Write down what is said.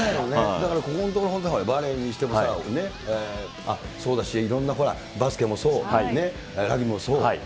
だからここのところ、バレーにしてもさ、そうだし、いろんなほら、バスケもそう、ラグビーもそう。